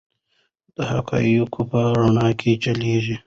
د حقایقو په رڼا کې چلیږي.